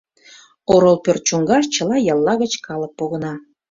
Орол пӧрт чоҥгаш чыла ялла гыч калык погына.